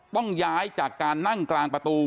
ต้องย้ายจากการนั่งกลางประตู